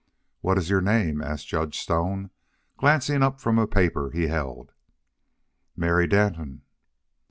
"What is your name?" asked Judge Stone, glancing up from a paper he held. "Mary Danton."